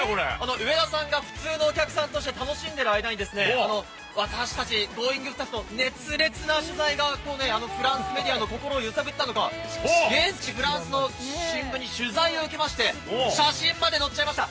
上田さんが普通のお客さんとして楽しんでいる間に、私たち、Ｇｏｉｎｇスタッフの熱烈な取材が、このようにフランスメディアの心を揺さぶったのか、現地フランスの新聞に取材を受けまして、写真まで載っちゃいました。